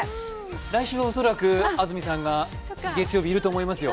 来週は恐らく安住さんが月曜日いると思いますよ。